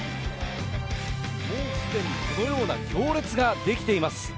もうすでにこのような行列が出来ています。